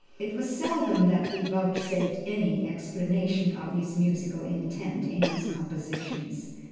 It was seldom that he vouchsafed any explanation of his musical intent in his compositions.